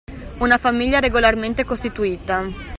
Una famiglia regolarmente costituita.